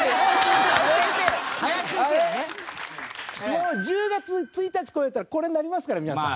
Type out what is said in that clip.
もう１０月１日超えたらこれになりますから皆さん。